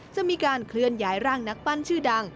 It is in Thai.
จะมีการเคลื่อนย้ายร่างนักปั้นชื่อดัง